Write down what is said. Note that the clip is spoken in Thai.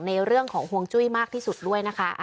ในเรื่องของห่วงจุ้ยมากที่สุดด้วยนะคะ